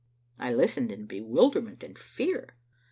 " I listened in bewilderment and fear.